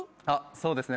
そうですね。